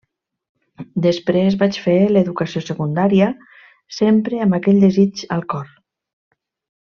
Després vaig fer l'educació secundària, sempre amb aquell desig al cor.